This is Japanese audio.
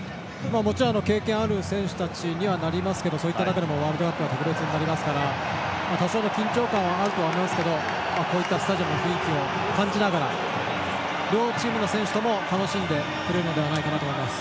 もちろん経験ある選手たちになりますがその中でもワールドカップ特別ですから多少の緊張感はあると思うんですけどこういったスタジアムの雰囲気を感じながら両チームの選手とも楽しんでくれるのではないかと思います。